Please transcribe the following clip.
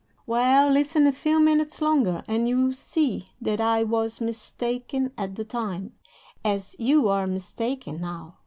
"Well, listen a few minutes longer, and you will see that I was mistaken at the time, as you are mistaken now.